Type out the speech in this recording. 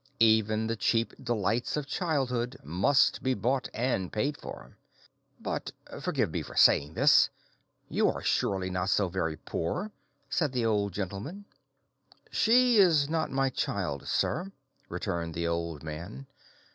Even the cheap delights of childhood must be bought and paid for." "But—forgive me for saying this—you are surely not so very poor," said the Old Gentleman. "She is not my child, sir," returned the old man.